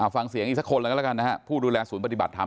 ฟังเสียงอีกสักคนละกันนะครับผู้ดูแลศูนย์ปฏิบัติธรรมนะ